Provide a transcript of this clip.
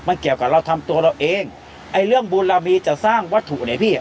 มันเกี่ยวกับเราทำตัวเราเองไอ้เรื่องบุญเรามีจะสร้างวัตถุเนี่ยพี่